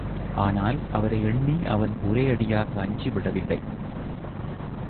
ஆனால் அவரை எண்ணி அவன் ஒரேயடியாக அஞ்சிவிடவில்லை.